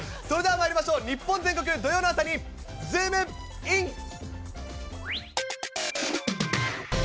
それではまいりましょう、日本全国土曜の朝にズームイン！！